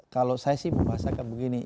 kalau saya sih merasakan begini